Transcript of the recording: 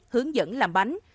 hướng dẫn làm bánh